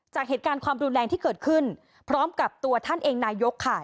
จากเหตุการณ์ความรุนแรงที่เกิดขึ้นพร้อมกับตัวท่านเองนายกค่ะ